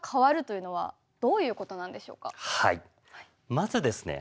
まずですね